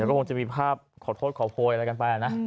เดี๋ยวก็คงจะมีภาพขอโทษขอโพยอะไรกันไปแล้วนะ